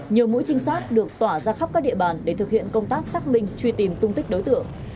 nhiều mũi trinh sát được tỏa ra khắp các địa bàn để thực hiện công tác xác minh truy tìm tung tích đối tượng